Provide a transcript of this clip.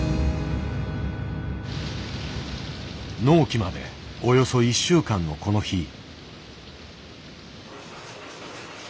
納期までおよそ１週間のこの日。